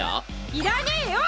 いらねぇよ！